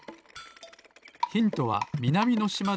ヒントはみなみのしまでとれるもの。